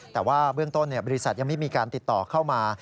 แต่ว่าเบื้องต้นบริษัทยังไม่มีการติดต่อเข้ามา